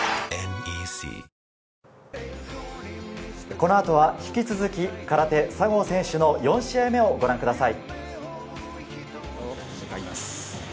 この後は引き続き空手、佐合選手の４試合目をご覧ください。